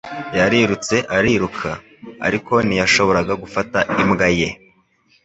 Yarirutse ariruka, ariko ntiyashobora gufata imbwa ye.